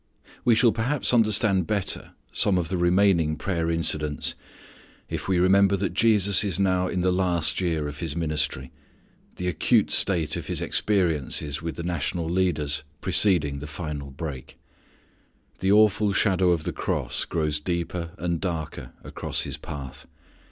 We shall perhaps understand better some of the remaining prayer incidents if we remember that Jesus is now in the last year of His ministry, the acute state of His experiences with the national leaders preceding the final break. The awful shadow of the cross grows deeper and darker across His path.